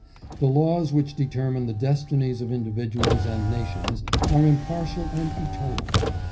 The laws which determine the destinies of individuals and nations are impartial and eternal.